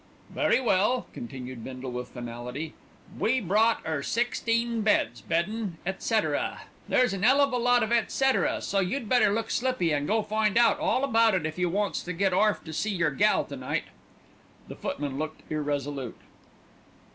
"Very well," continued Bindle with finality. "We brought 'er sixteen beds, beddin', etcetera, there's an 'ell of a lot of etcetera, so you'd better look slippy an' go an' find out all about it if you wants to get orf to see your gal to night." The footman looked irresolute.